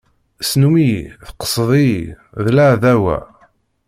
Snum-iyi, tekkseḍ-iyi, d laɛdawa.